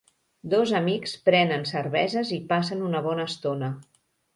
Dos amics prenen cerveses i passen una bona estona.